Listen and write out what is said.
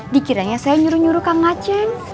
dikiranya saya nyuruh nyuruh kang aceh